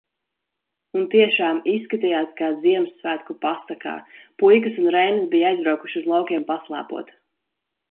Un tiešām izskatījās kā Ziemassvētku pasakā. Puikas un Reinis bija aizbraukuši uz laukiem paslēpot.